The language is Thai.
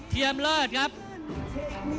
ท่านแรกครับจันทรุ่ม